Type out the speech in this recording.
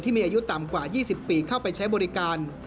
มีอายุต่ำกว่า๒๐ปีเข้าไปใช้บริการ